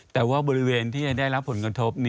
แต่ว่าบริเวณที่จะได้รับผลกระทบ